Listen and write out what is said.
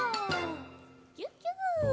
ギュッギュ！